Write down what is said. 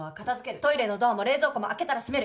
トイレのドアも冷蔵庫も開けたら閉める。